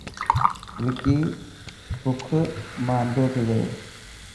وڪي بک مان انڌو ٿي گيو.